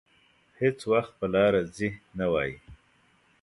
هېڅ وخت په لاره ځي نه وايي.